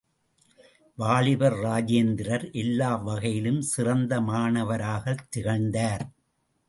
வாலிபர் ராஜேந்திரர் எல்லா வகைகளிலும் சிறந்த மாணவராகத் திகழ்ந்தார்.